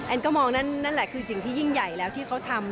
ก็มองนั่นแหละคือสิ่งที่ยิ่งใหญ่แล้วที่เขาทำ